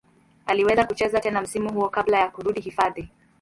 Aliweza kucheza tena msimu huo kabla ya kurudi hifadhi.